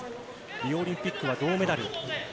リオオリンピックは銅メダル。